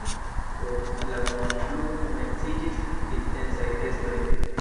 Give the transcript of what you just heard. Post la unua flugo komenciĝis intensaj testoj.